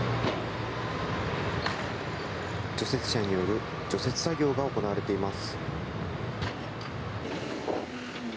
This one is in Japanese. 除雪車による除雪作業が行われています。